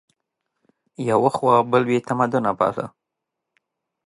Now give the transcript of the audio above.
یوه خوا بل بې تمدنه باله